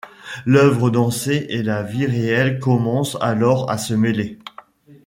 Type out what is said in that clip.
L'œuvre dansée et la vie réelle commencent alors à se mêler.